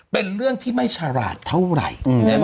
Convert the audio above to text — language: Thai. เป็นเรื่องที่ไม่ฉลาดเท่าไหร่